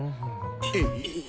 えっ？